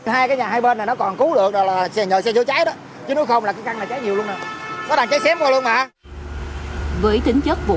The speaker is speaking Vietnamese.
hai cái nhà hai bên này nó còn cứu được là nhờ xe chó cháy đó